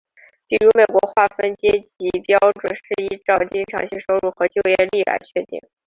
比如美国划分阶级标准是依照经常性收入和就业率来确定。